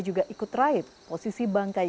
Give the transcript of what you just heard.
juga ikut raib posisi bangkai